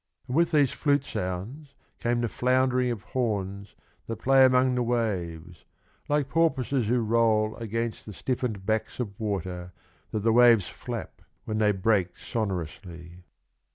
— 52 Pindar. And with these flute sounds came the floundering Of horns that play among the waves Like porpoises who roll Against the stiffened backs of water That the waves flap When they break sonorously.